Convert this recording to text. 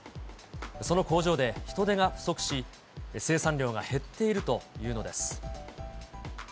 その工場で人手が不足し、生産量が減っているというのです。